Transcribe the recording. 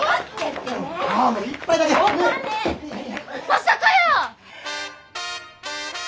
まさかやー！